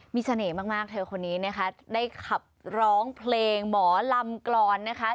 มีเสน่ห์มากเธอคนนี้นะคะได้ขับร้องเพลงหมอลำกรอนนะคะ